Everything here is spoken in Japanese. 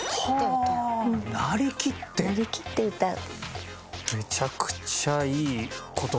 なりきって歌う。